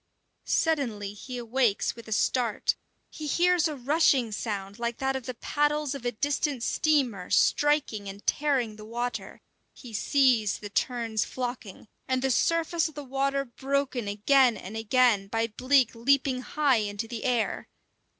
Suddenly he awakes with a start. He hears a rushing sound like that of the paddles of a distant steamer striking and tearing the water; he sees the terns flocking, and the surface of the water broken again and again by bleak leaping high into the air.